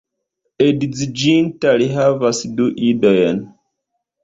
Edziĝinta, li havas du idojn.